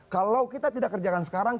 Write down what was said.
kalau kita tidak kerjakan sekarang